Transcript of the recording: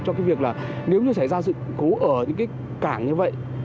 cho cái việc là nếu như xảy ra sự cố ở những cái cảng như vậy